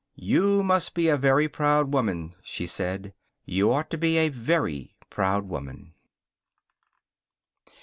"You must be a very proud woman," she said. "You ought to be a very proud woman."